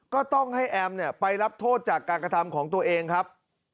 ก็ต้องให้แอมไปรับโทษจากการกระทำของตัวเองครับ